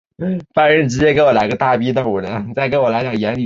芝麻三壳灰介为半花介科三壳灰介属下的一个种。